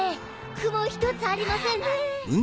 雲ひとつありませんね！